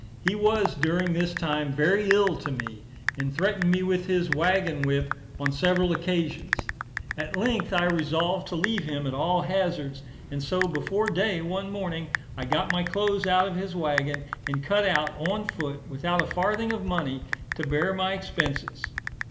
He was, during this time, very ill to me, and threatened me with his waggon whip on several occasions. At length I resolved to leave him at all hazards; and so, before day, one morning, I got my clothes out of his waggon, and cut out, on foot, without a farthing of money to bear my expenses.